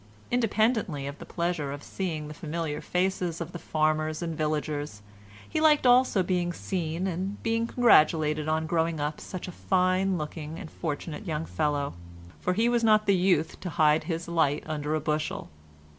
Independently of the pleasure of seeing the familiar faces of the farmers and villagers, he liked also being seen and being congratulated on growing up such a fine looking and fortunate young fellow, for he was not the youth to hide his light under a bushel.